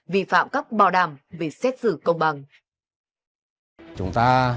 vi phạm các bào đàm về xét xử công bằng